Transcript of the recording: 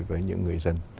với những người dân